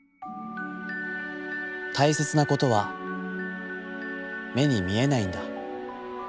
たいせつなことは、目に見えないんだ』。